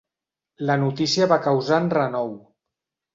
La notícia va causar enrenou.